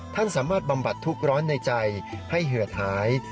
ท่านสามารถบำบัดทุกข์ร้อนในใจให้เหือดหาย